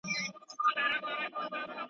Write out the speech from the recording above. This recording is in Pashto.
كوم حميد به خط و خال كاغذ ته يوسي.